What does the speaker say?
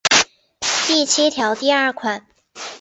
第七条第二款